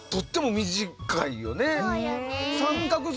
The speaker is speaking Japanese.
そうよね。